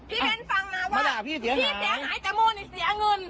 พี่เสียหายจมูนเสียเงิน